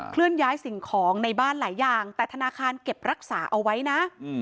เลื่อนย้ายสิ่งของในบ้านหลายอย่างแต่ธนาคารเก็บรักษาเอาไว้นะ